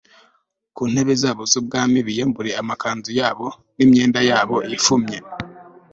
ku ntebe zabo z ubwami k biyambure amakanzu yabo n imyenda yabo ifumye